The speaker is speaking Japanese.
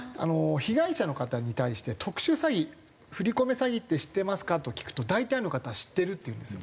被害者の方に対して「特殊詐欺振り込め詐欺って知ってますか？」と聞くと大体の方は「知ってる」って言うんですよ。